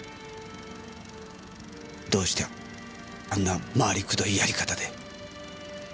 どうしてあんな回りくどいやり方で。